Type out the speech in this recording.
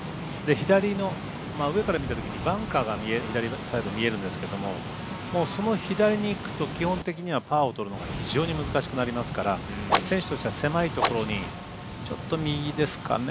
見たときにバンカーが左サイドに見えるんですけどもうその左にいくと基本的にはパーをとるのが非常に難しくなりますから選手としては狭いところにちょっと右ですかね。